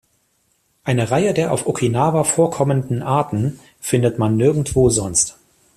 Eine Reihe der auf Okinawa vorkommenden Arten findet man nirgendwo sonst.